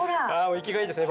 生きがいいですね。